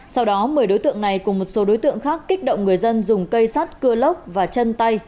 sau đó một mươi đối tượng này cùng một số đối tượng khác kích động người dân dùng cây sắt cưa lốc và chân tay